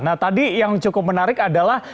nah tadi yang cukup menarik adalah